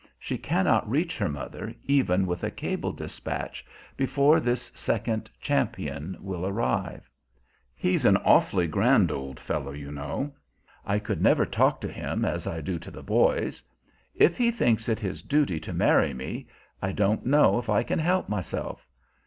She cannot reach her mother, even with a cable dispatch, before this second champion will arrive. "He's an awfully grand old fellow, you know. I could never talk to him as I do to the boys. If he thinks it his duty to marry me, I don't know if I can help myself.